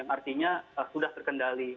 artinya sudah terkendali